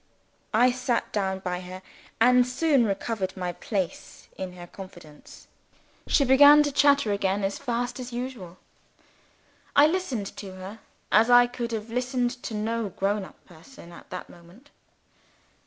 I sat down by her, and soon recovered my place in her confidence. She began to chatter again as fast as usual. I listened to her as I could have listened to no grown up person at that moment.